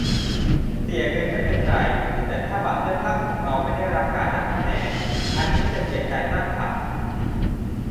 เสียเงินไม่เป็นไร แต่ถ้าบัตรเลือกตั้ง ของเราไม่ได้รับการนับคะแนน อันนี้จะเสียใจมากค่ะ